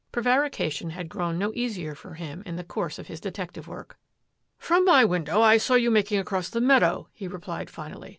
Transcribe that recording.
Prevarication had grown no easier for him in the course of his detec tive work. " From my window I saw you making across the meadow," he replied finally.